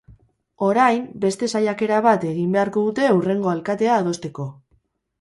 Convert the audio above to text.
Orain, beste saiakera bat egin beharko dute hurrengo alkatea adosteko.